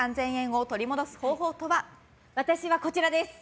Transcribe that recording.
私はこちらです。